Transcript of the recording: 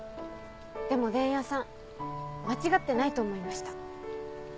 でも伝弥さん間違ってないと思いました。